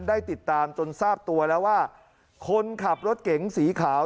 ได้ติดตามจนทราบตัวแล้วว่าคนขับรถเก๋งสีขาว